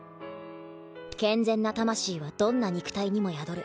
健全な魂はどんな肉体にも宿る。